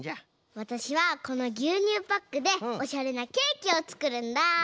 わたしはこのぎゅうにゅうパックでオシャレなケーキをつくるんだ！